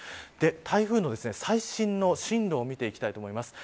台風の最新の進路を見ていきたいと思います。